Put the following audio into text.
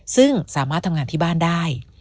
ซึ่งสามารถทำงานที่บ้านได้